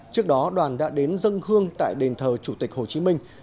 trước đó đoàn đã đến dân hương tại đền thờ chủ tịch hồ chí minh